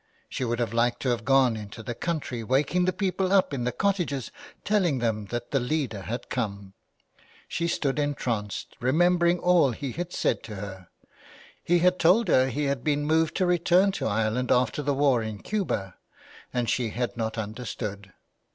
She would have liked to have gone into the country waking the people up in the cottages, telling them that the leader had come. She stood entranced, remembering all he had said to her. He had told her he had been moved to return to Ireland after the war in Cuba, and she had not understood.